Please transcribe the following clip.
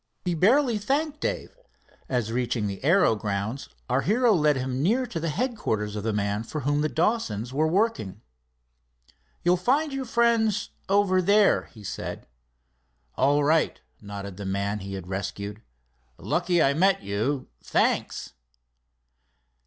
He barely thanked Dave, as, reaching the aero grounds, our hero led him near to the headquarters of the man for whom the Dawsons were working. "You'll find your friends over there," he said. "All right," nodded the man he had rescued. "Lucky I met you. Thanks."